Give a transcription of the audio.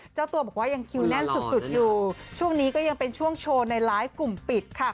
เจ้าตัวบอกว่ายังคิวแน่นสุดอยู่ช่วงนี้ก็ยังเป็นช่วงโชว์ในไลฟ์กลุ่มปิดค่ะ